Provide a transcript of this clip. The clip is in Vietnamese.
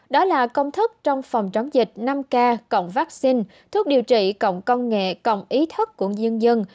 đó là công thức trong phòng chống dịch năm k cộng vaccine thuốc điều trị cộng công nghệ cộng ý thức của diên dân